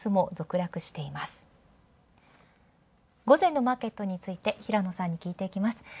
午前のマーケットについて平野さんに聞いていきます。